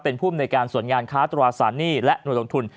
เป็นภูมิในการส่วนงานค้าตราสารหนี้และหน่วยลงทุน